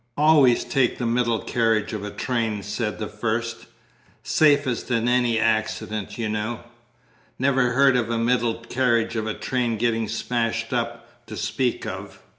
"Always take the middle carriage of a train," said the first. "Safest in any accident, y'know. Never heard of a middle carriage of a train getting smashed up, to speak of."